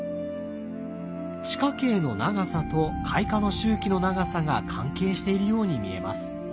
地下茎の長さと開花の周期の長さが関係しているように見えます。